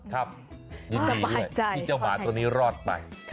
ครับยินดีด้วยคุณเจ้าหมารวดไป